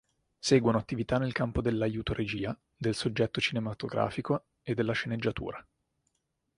Seguono attività nel campo dell'aiuto-regia, del soggetto cinematografico e della sceneggiatura.